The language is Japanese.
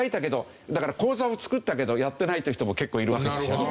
だから口座を作ったけどやってないという人も結構いるわけですよね。